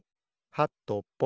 はとぽ。